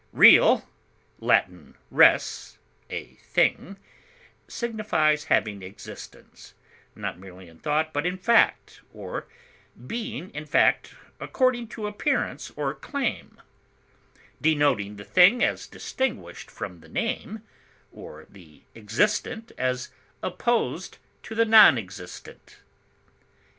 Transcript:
Real (L. res, a thing) signifies having existence, not merely in thought, but in fact, or being in fact according to appearance or claim; denoting the thing as distinguished from the name, or the existent as opposed to the non existent.